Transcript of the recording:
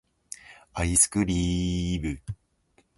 アイスクリーム